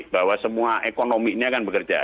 bahwa semua ekonomi ini akan bekerja